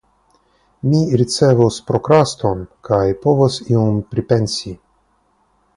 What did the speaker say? Mi ricevos prokraston, kaj povos iom pripensi.